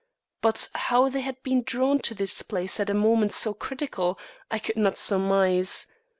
But how they had been drawn to this place at a moment so critical, I could not surmise.